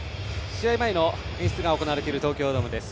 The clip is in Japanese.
試合前の演出が行われている東京ドームです。